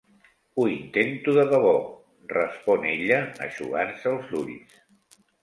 "Ho intento de debò", respon ella, eixugant-se els ulls.